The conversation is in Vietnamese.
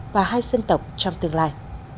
và hai dân tộc trong tương lai